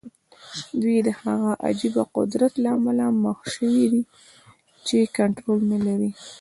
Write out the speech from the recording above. دوی د هغه عجيبه قدرت له امله مخ شوي چې کنټرول نه لري.